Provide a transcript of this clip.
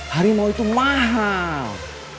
harimau itu mahal